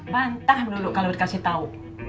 bantah dulu kalau dikasih tahu